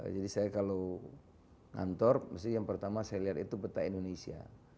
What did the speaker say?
jadi saya kalau ngantor pasti yang pertama saya lihat itu peta indonesia